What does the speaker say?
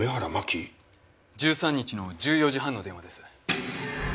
１３日の１４時半の電話です。